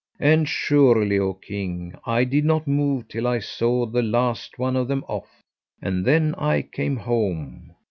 And surely, oh king, I did not move till I saw the last one of them off. And then I came home.